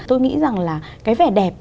tôi nghĩ rằng là cái vẻ đẹp